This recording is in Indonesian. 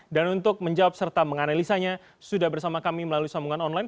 dan untuk menjawab serta menganalisanya sudah bersama kami melalui sambungan online